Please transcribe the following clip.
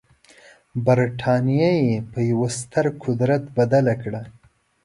برټانیه یې په یوه ستر قدرت بدله کړه.